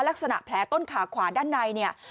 ลักษณะแผลต้นขาขวาด้านในเนี่ย